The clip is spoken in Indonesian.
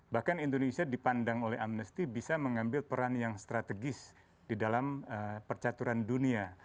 bahkan indonesia dipandang oleh amnesty bisa mengambil peran yang strategis di dalam percaturan dunia